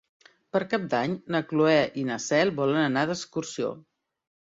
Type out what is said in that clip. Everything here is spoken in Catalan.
Per Cap d'Any na Cloè i na Cel volen anar d'excursió.